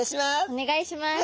お願いします。